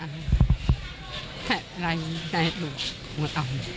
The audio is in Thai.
แต่อะไรด้วย